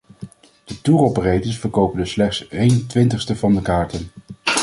De touroperators verkopen dus slechts een twintigste van de kaarten.